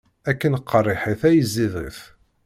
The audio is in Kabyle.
Akken qeṛṛiḥit ay ẓidit.